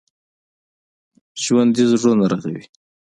ژوندي زړونه رغوي